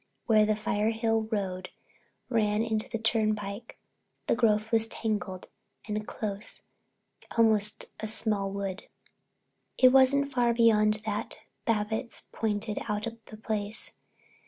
Where the Firehill Road ran into the turnpike the growth was tangled and close, almost a small wood. It wasn't far beyond that Babbitts pointed out the place.